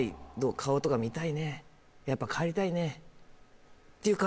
「顔とか見たいねやっぱ帰りたいね」みたいなああ